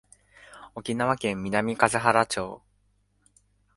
沖縄県南風原町